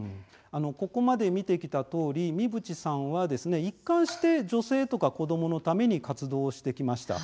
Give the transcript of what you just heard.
ここまで見てきたとおり三淵さんはですね、一貫して女性とか子どものために活動をしてきました。